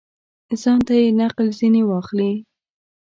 ځانته یې نقل ځني واخلي.